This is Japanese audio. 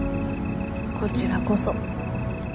こちらこそ。